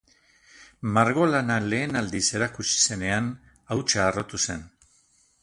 Margolana lehen aldiz erakutsi zenean, hautsa harrotu zen.